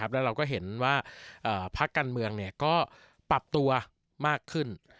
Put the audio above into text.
แล้วเราก็เห็นว่าพักการเมืองก็ปรับตัวมากขึ้น